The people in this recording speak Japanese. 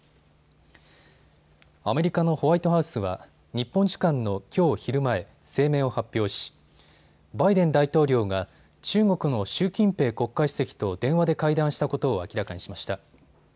アメリカのホワイトハウスは日本時間のきょう昼前、声明を発表し、バイデン大統領が中国の習近平国家主席と電話で会談したことを明らかにしました。